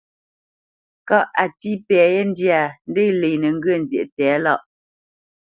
Kâʼ a tí pɛ yé ndyâ, ndě lenə́ ŋgyə̌ nzyéʼ tɛ̌lâʼ.